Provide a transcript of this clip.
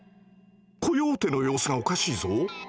コヨーテの様子がおかしいぞ？